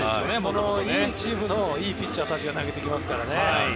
いいチームのいいピッチャーたちが投げてきますからね。